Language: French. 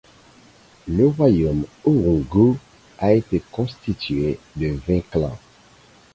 Le royaume Orungu était constitué de vingt clans.